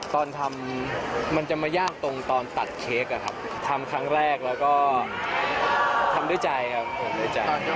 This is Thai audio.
ตอนทำมันจะมายากตรงตอนตัดเค้กอะครับทำครั้งแรกแล้วก็ทำด้วยใจครับทำด้วยใจ